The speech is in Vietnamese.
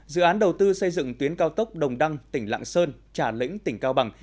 dự án đầu tư xây dựng tuyến cao tốc đồng đăng tỉnh lạng sơn trà lĩnh tỉnh cao bằng